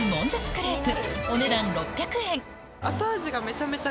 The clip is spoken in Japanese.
クレープ